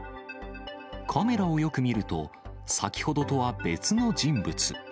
カメラをよく見ると、先ほどとは別の人物。